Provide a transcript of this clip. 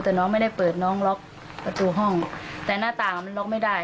แต่น้องไม่ได้เปิดน้องล็อกประตูห้องแต่หน้าต่างมันล็อกไม่ได้